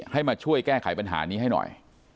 ให้มาช่วยแก้ไขปัญหานี้ให้หน่อย